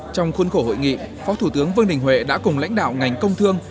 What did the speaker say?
trong khuôn khổ hội nghị phó thủ tướng vương đình huệ đã cùng lãnh đạo ngành công thương